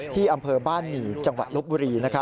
อำเภอบ้านหมี่จังหวัดลบบุรี